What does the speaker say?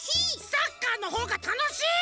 サッカーのほうがたのしい！